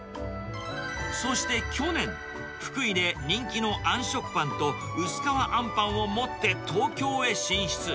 そして去年、福井で人気のあん食パンと薄皮あんぱんを持って東京へ進出。